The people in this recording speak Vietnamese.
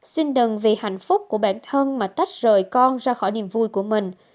xin đừng vì hạnh phúc của bản thân mà tách rời con ra khỏi niềm vui của mình